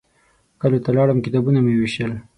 کلیو ته لاړم او کتابونه مې ووېشل.